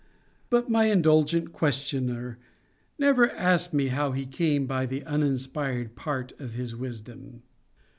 But my indulgent questioner never asked me how he came by the uninspired part of his wisdom.